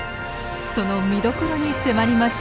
その見どころに迫ります。